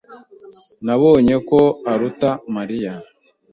Nabonye ko aruta Mariya.